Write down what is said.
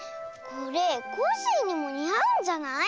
これコッシーにもにあうんじゃない？